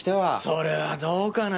それはどうかな？